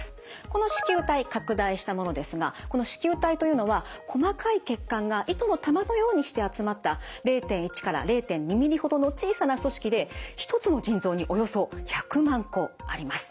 この糸球体拡大したものですがこの糸球体というのは細かい血管が糸の玉のようにして集まった０．１から０．２ｍｍほどの小さな組織で１つの腎臓におよそ１００万個あります。